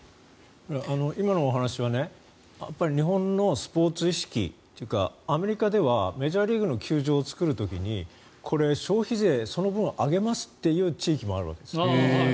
今のお話は日本のスポーツ意識というかアメリカではメジャーリーグの球場を作る時にこれ、消費税その分上げますという地域もあるわけですね。